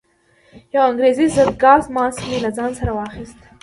یو انګریزي ضد ګاز ماسک مې له ځان سره واخیست.